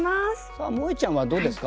さあもえちゃんはどうですか？